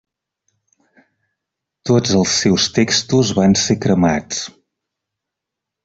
Tots els seus textos van ser cremats.